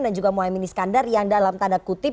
dan juga muhaimin iskandar yang dalam tanda kutip